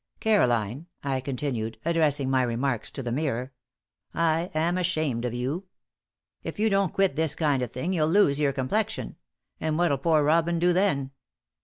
Caroline," I continued, addressing my remarks to the mirror, "I am ashamed of you. If you don't quit this kind of thing, you'll lose your complexion and what'll poor robin do then?